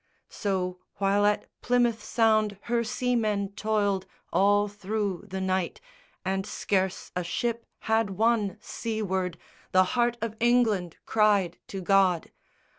_ So, while at Plymouth Sound her seamen toiled All through the night, and scarce a ship had won Seaward, the heart of England cried to God.